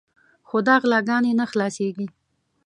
خو دا غلاګانې نه خلاصېږي.